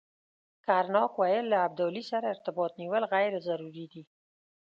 کرناک ویل له ابدالي سره ارتباط نیول غیر ضروري دي.